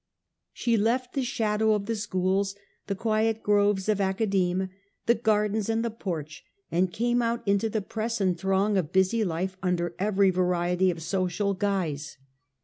She left the shadow of the schools, the quiet groves of .Academe, the Gardens, and the Porch, and came out into the press and throng of busy life under every variety of social guise.